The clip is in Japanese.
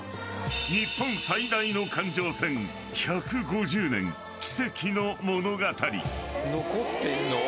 日本最大の環状線１５０年、奇跡の物語。